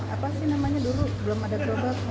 apa sih namanya dulu belum ada gerobak